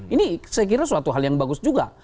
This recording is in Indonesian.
ini saya kira suatu hal yang bagus juga